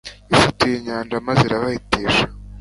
Yasatuye inyanja maze irabahitisha